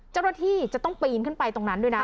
เจ้าหน้าที่จะต้องปีนขึ้นไปตรงนั้นด้วยนะ